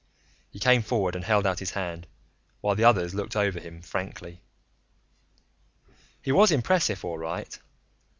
He came forward and held out his hand, while the others looked him over frankly. He was impressive, all right.